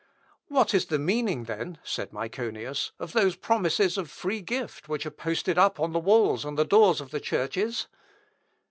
"What is the meaning then," said Myconius, "of those promises of free gift, which are posted up on the walls and doors of the churches?"